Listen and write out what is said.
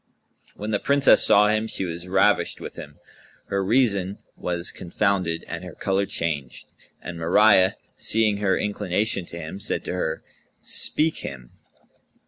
When the Princess saw him, she was ravished with him, her reason was confounded and her colour changed; and Mariyah, seeing her inclination to him, said to her, "Speak him."